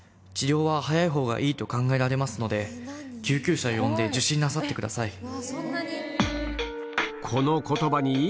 「治療は早いほうがいいと考えられますので救急車を呼んで受診なさってください」。